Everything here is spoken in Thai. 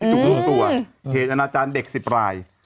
ทุกรูปตัวเพจอนาจารย์เด็กสิบราย